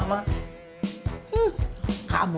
iya mak kadang kadang lupa mak